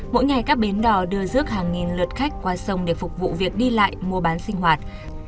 mỗi ngày các bến đò đưa rước hàng nghìn lượt khách qua sông để phục vụ việc đi lại mua bán sinh hoạt